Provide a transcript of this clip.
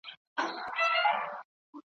تر ماښامه پوري لویه هنگامه سوه `